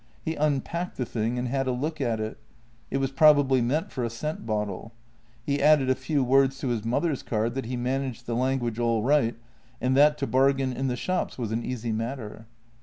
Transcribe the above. He unpacked the thing and had a look at it — it was probably meant for a scent bottle. He added a few words to his mother's card that he managed the language all right, and that to bargain in the shops was an easy matter.